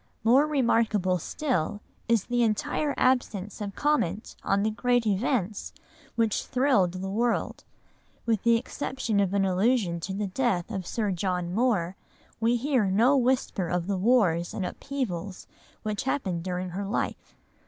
More remarkable still is the entire absence of comment on the great events which thrilled the world; with the exception of an allusion to the death of Sir John Moore, we hear no whisper of the wars and upheavals which happened during her life.